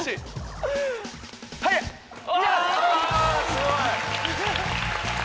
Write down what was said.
すごい！